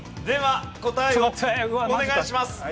では答えをお願いします。